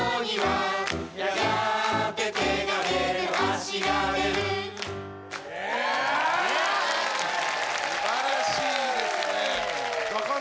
素晴らしいですね。